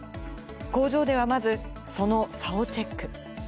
工場ではまずその差をチェック。